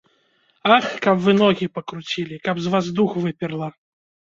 Ах, каб вы ногі пакруцілі, каб з вас дух выперла.